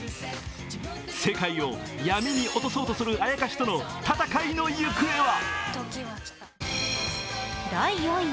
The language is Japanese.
世界を闇に堕とそうとするアヤカシとの戦いの行方は？